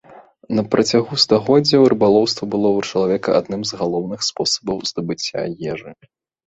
На працягу стагоддзяў рыбалоўства было ў чалавека адным з галоўных спосабаў здабыцця ежы.